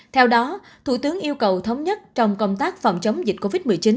theo đó thủ tướng yêu cầu thống nhất trong công tác phòng chống dịch covid một mươi chín